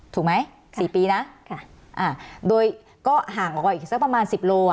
ถูกไหม๔ปีนะค่ะอ่าโดยก็ห่างออกไปอีกสักประมาณสิบโลอ่ะ